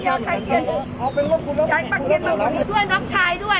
เอาไป